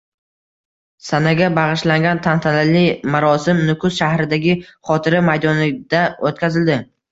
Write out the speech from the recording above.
Sanaga bag’ishlangan tantanali marosim Nukus shahridagi Xotira maydonida o’tkazildi